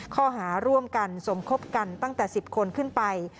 ข้อหาร่วมกันสมคบกันตั้งแต่๑๐คนขึ้นไป